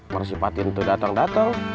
mersipatin tuh datang datang